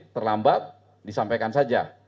logistik terlambat disampaikan saja